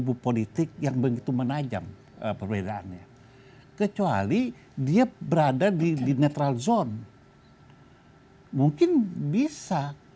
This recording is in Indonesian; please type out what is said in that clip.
debu politik yang begitu menajam perbedaannya kecuali dia berada di netral zone mungkin bisa